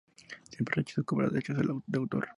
Siempre rechazó cobrar derechos de autor.